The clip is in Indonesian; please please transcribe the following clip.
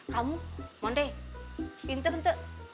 kamu monde pinter tante